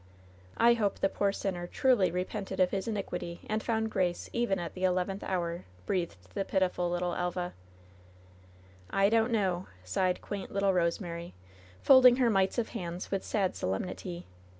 "I hope the poor sinner truly repented of his iniquity and found grace even at the elevenA hour," breathed the pitiful little Elva. "I don't know," sighed quaint little Rosemary, fold ing her mites of hands with sad solemnity.